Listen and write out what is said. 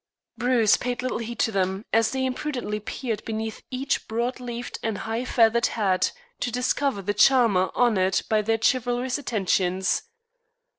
Bruce paid little heed to them as they impudently peered beneath each broad leafed and high feathered hat to discover the charmer honored by their chivalrous attentions.